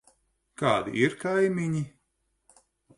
Kādi ir kaimiņi?